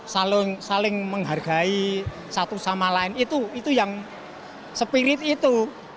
saling menghargai satu sama lain itu yang spirit itu